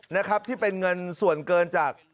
นะครับที่เป็นเงินส่วนเกินจาก